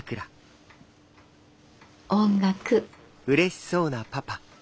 音楽。